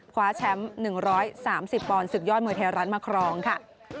คว้าแชมป์๑๓๐ปอนดศึกยอดมวยไทยรัฐมาครองค่ะ